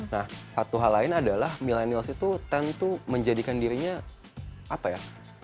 nah satu hal lain adalah millennials itu tentu menjadikan dirinya apa ya